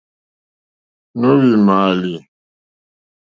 Nǒhwì mààlì.